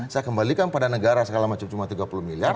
saya kembalikan pada negara sekalian cuma tiga puluh miliar